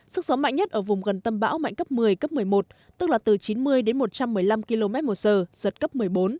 sức gió mạnh nhất ở vùng gần tâm bão mạnh cấp một mươi cấp một mươi một tức là từ chín mươi đến một trăm một mươi năm km một giờ giật cấp một mươi bốn